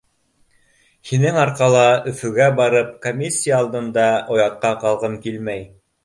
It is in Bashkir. Һинең арҡала, Өфөгә барып, комиссия алдында оятҡа ҡалғым килмәй.